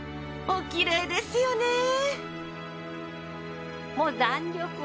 おきれいですよね。